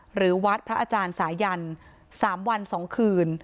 หรือวัดพระอาจารย์สายัน๓วัน๒คืน